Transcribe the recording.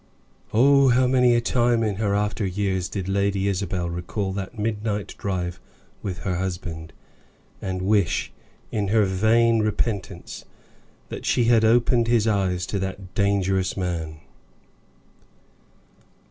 Oh! How many a time in her after years did Lady Isabel recall that midnight drive with her husband, and wish, in her vain repentance, that she had opened his eyes to that dangerous man.